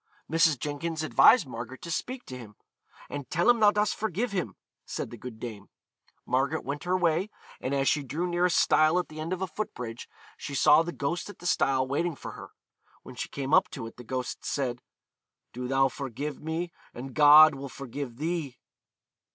Mrs. Jenkins advised Margaret to speak to him; 'and tell him thou dost forgive him,' said the good dame. Margaret went her way, and as she drew near a stile at the end of a foot bridge, she saw the ghost at the stile waiting for her. When she came up to it the ghost said, 'Do thou forgive me, and God will forgive thee.